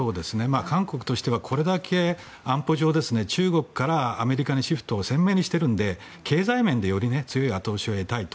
韓国としてはこれだけ安保上、中国からアメリカにシフトを鮮明にしているので経済面でより強い後押しを得たいと。